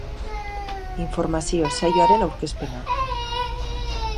Informazio-saioaren aurkezpena.